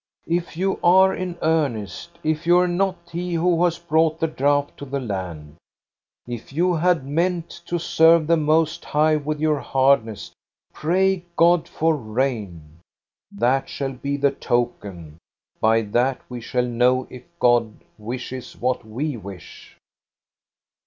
" If you are in earnest, if you are not he who has brought the drought to the land, if you had meant to serve the Most High with your hardness, pray God for rain. That shall be the token ; by that we shall know if God wishes what we wish."